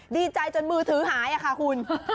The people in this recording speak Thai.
ดีใจจนมือถือหายค่ะคุณ